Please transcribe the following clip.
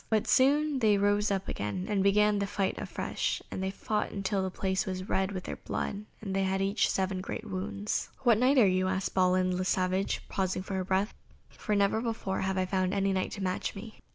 But soon they rose up again and began the fight afresh, and they fought till the place was red with their blood, and they had each seven great wounds. "What Knight are you?" asked Balin le Savage, pausing for breath, "for never before have I found any Knight to match me."